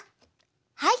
はい。